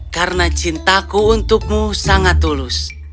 karena cintaku untukmu sangat tulus